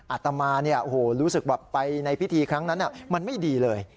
อาตมารู้สึกแบบไปในพิธีครั้งนั้นมันไม่ดีเลย